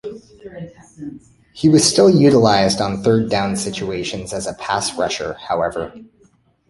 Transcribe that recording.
He was still utilized on third-down situations as a pass rusher, however.